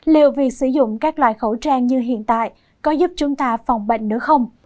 liệu việc sử dụng các loại khẩu trang như hiện tại có giúp chúng ta phòng bệnh nữa không